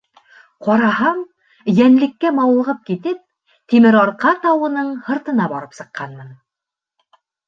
Ҡараһам, йәнлеккә мауығып китеп, Тимерарҡа тауының һыртына барып сыҡҡанмын.